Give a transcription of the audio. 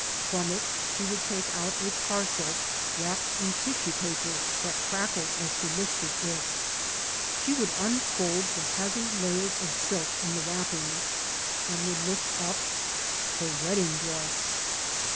From it she would take out a parcel wrapped in tissue paper that crackled as she lifted it She would unfold the heavy layers of silk in the wrappings and would lift up — her wed ding dress.